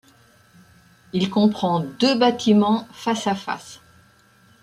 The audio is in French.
Il comprend deux bâtiments face à face.